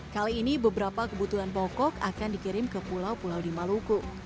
kali ini beberapa kebutuhan pokok akan dikirim ke pulau pulau di maluku